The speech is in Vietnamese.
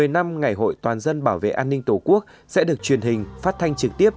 một mươi năm ngày hội toàn dân bảo vệ an ninh tổ quốc sẽ được truyền hình phát thanh trực tiếp